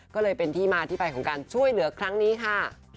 ก็เลยเป็นที่มาที่ไปของการช่วยเหลือครั้งนี้ค่ะ